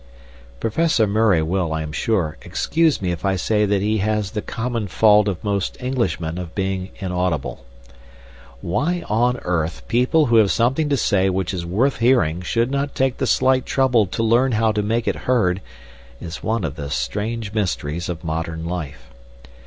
Professor Murray will, I am sure, excuse me if I say that he has the common fault of most Englishmen of being inaudible. Why on earth people who have something to say which is worth hearing should not take the slight trouble to learn how to make it heard is one of the strange mysteries of modern life.